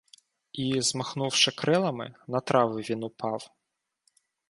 І змахнувши крилами, На трави він упав.